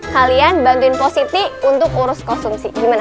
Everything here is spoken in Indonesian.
kalian bantuin positif untuk urus konsumsi gimana